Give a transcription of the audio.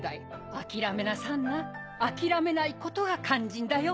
諦めなさんな諦めないことが肝心だよ。